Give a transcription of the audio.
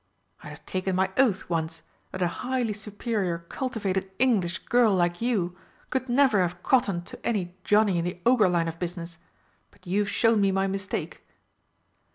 "I'd have taken my oath once that a highly superior cultivated English girl like you could never have cottoned to any Johnny in the Ogre line of business. But you've shown me my mistake!"